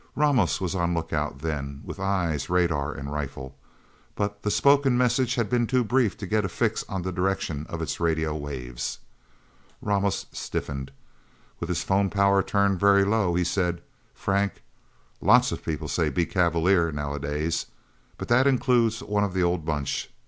Ramos was on lookout, then, with eyes, radar and rifle. But the spoken message had been too brief to get a fix on the direction of its radio waves. Ramos stiffened. With his phone power turned very low, he said, "Frank lots of people say 'Be cavalier', nowadays. But that includes one of the old Bunch.